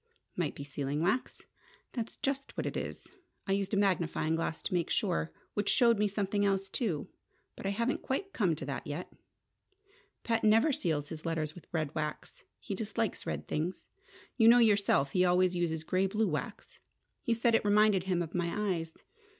"Might be sealing wax." "That's just what it is. I used a magnifying glass to make sure. Which showed me something else, too. But I haven't quite come to that yet! Pat never seals his letters with red wax. He dislikes red things: you know yourself he always uses grey blue wax. He said it reminded him of my eyes!